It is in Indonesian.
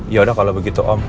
yaudah kalau begitu om